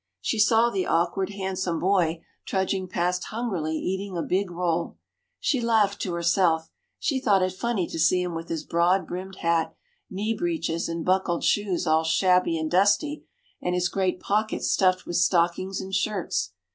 She saw the awkward, handsome boy, trudging past hungrily eating a big roll. She laughed to herself; she thought it funny to see him with his broad brimmed hat, knee breeches, and buckled shoes all shabby and dusty, and his great pockets stuffed with stockings and shirts.